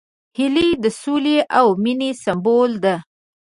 هیلۍ د سولې او مینې سمبول ده